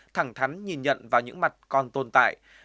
thẳng thắn nhìn nhận vào những mặt còn tồn tại